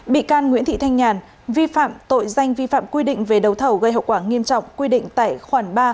bị can nguyễn thị thanh nhàn tội danh vi phạm quy định về đầu thầu gây hậu quả nghiêm trọng quy định tải khoản ba